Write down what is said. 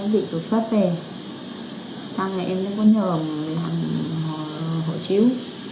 vì thuất xuất về sau này em cũng có nhờ làm hộ chiếu